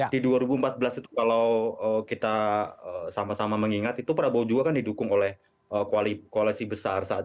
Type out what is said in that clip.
di dua ribu empat belas itu kalau kita sama sama mengingat itu prabowo juga kan didukung oleh koalisi besar saat ini